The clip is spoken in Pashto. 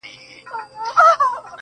هغه وه تورو غرونو ته رويا وايي,